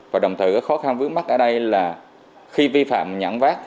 và đồng thời khó khăn vướng mắt ở đây là khi vi phạm nhãn vác